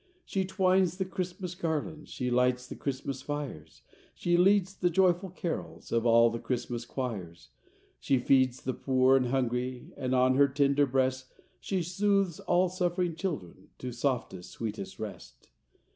She twines the Christmas garlands, She lights the Christmas fires, She leads the joyful carols Of all the Christmas choirs; She feeds the poor and hungry, And on her tender breast She soothes all suffering children To softest, sweetest rest.